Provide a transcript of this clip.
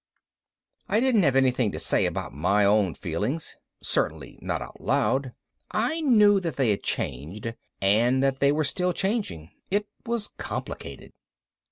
I didn't have anything to say about my own feelings. Certainly not out loud. I knew that they had changed and that they were still changing. It was complicated.